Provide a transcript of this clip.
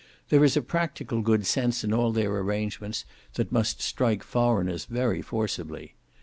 There is a practical good sense in all their arrangements that must strike foreigners very forcibly.